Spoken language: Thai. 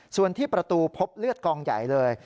ส่วนที่ประตูพบเลือดกองใหญ่เลย